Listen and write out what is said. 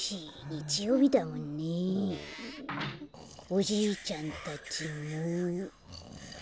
おじいちゃんたちも。